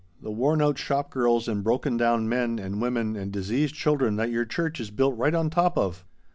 The worn out shop girls and broken down men and women and diseased children that your church is built right on top of!"